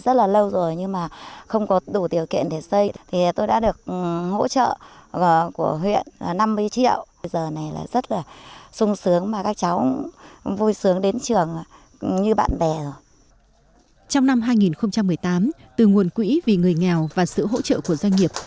trong năm hai nghìn một mươi tám từ nguồn quỹ vì người nghèo và sự hỗ trợ của doanh nghiệp